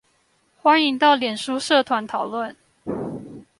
歡迎到臉書社團討論